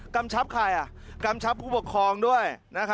กำชับใครกำชับผู้ปกครองด้วย